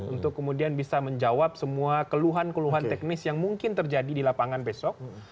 untuk kemudian bisa menjawab semua keluhan keluhan teknis yang mungkin terjadi di lapangan besok